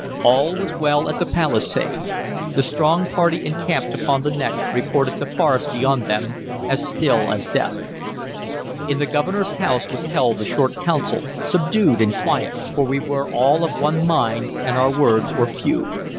All was well at the palisade; the strong party encamped upon the neck reported the forest beyond them as still as death. In the Governor's house was held a short council, subdued and quiet, for we were all of one mind and our words were few.